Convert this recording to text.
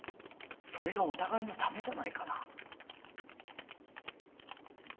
それがお互いのためじゃないかな？